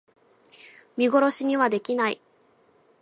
見殺しにはできない